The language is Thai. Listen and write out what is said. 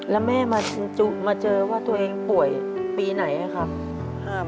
แล้วแม่มาเจอว่าตัวเองป่วยปีไหนครับ